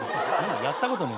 やったことねえ。